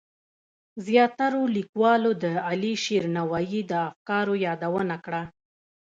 زیاترو لیکوالو د علیشیر نوایی د افکارو یادونه کړه.